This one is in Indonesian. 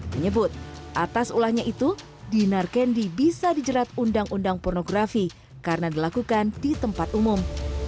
menyebut atas ulahnya itu dinar kendi bisa dijerat undang undang pornografi karena dilakukan di tempat umum